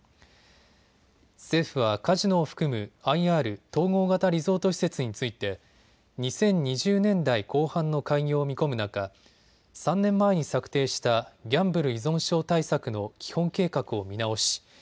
政府はカジノを含むＩＲ・統合型リゾート施設について２０２０年代後半の開業を見込む中、３年前に策定したギャンブル依存症対策の基本計画を見直し